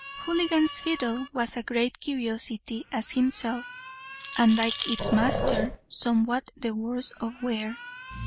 Houligan's fiddle was as great a curiosity as himself, and, like its master, somewhat the worse for wear.